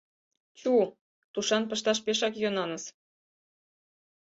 Чу, тушан пышташ пешак йӧнаныс».